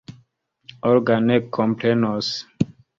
Olga ne komprenos.